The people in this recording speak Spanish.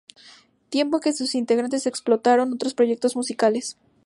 Tiempo en que sus integrantes exploraron otros proyectos musicales.